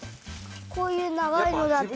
こういうながいのだったら。